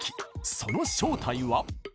その正体は。